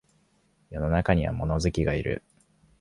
世の中には物好きがいる